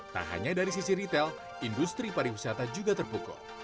tak hanya dari sisi retail industri pariwisata juga terpukul